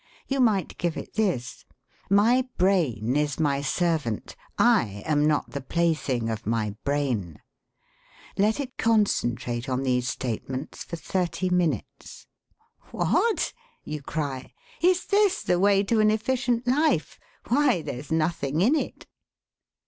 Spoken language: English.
You might give it this: 'My brain is my servant. I am not the play thing of my brain.' Let it concentrate on these statements for thirty minutes. 'What?' you cry. 'Is this the way to an efficient life? Why, there's nothing in it!'